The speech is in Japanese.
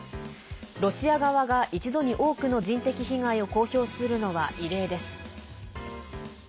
ロシア側が、一度に多くの人的被害を公表するのは異例です。